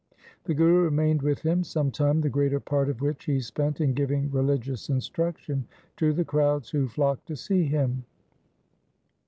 The Guru remained with him some time, the greater part of which he spent in giving religious instruction to the crowds who flocked to see him.